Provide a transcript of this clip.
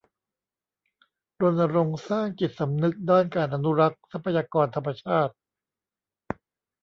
รณรงค์สร้างจิตสำนึกด้านการอนุรักษ์ทรัพยากรธรรมชาติ